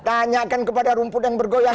tanyakan kepada rumput yang bergoyang